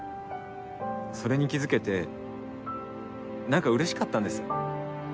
それに気付けて何かうれしかったんです。